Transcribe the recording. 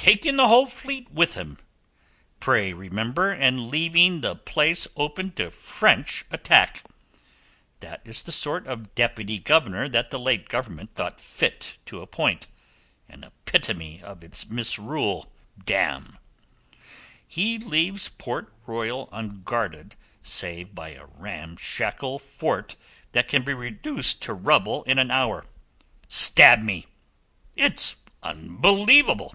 "Taking the whole fleet with him, pray remember, and leaving the place open to French attack. That is the sort of Deputy Governor that the late Government thought fit to appoint: an epitome of its misrule, damme! He leaves Port Royal unguarded save by a ramshackle fort that can be reduced to rubble in an hour. Stab me! It's unbelievable!"